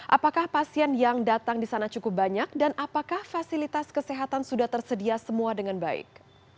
apakah pasien yang datang di sana cukup banyak dan apakah fasilitas kesehatan sudah tersedia semua dengan baik